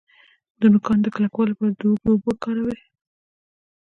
د نوکانو د کلکوالي لپاره د هوږې اوبه وکاروئ